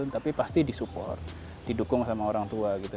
tapi pasti di support didukung sama orang tua gitu